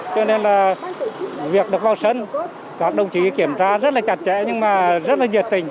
cho nên là việc được vào sân các đồng chí kiểm tra rất là chặt chẽ nhưng mà rất là nhiệt tình